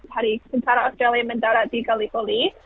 hari kisah australia mendara di kali koli